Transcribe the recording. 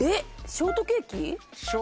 ショートケーキ。